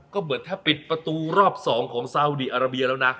ก็เหมือนถ้าปิดประตูรอบ๒ของซาอุดีอาราเบียแล้วนะ